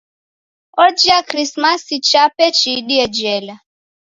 Ojia Krisimasi chape chiidie jela.